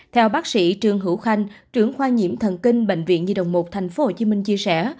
theo bác sĩ trương hữu khanh trưởng khoa nhiễm thần kinh bệnh viện nhi đồng một tp hcm chia sẻ